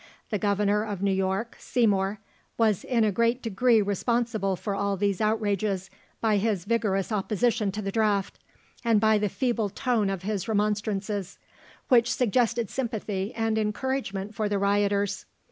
The Governor of New York, Seymour, was in a great degree responsible for all these outrages by his vigorous opposition to the draft, and by the feeble tone of his remonstrances, which suggested sympathy and encouragement for the rioters.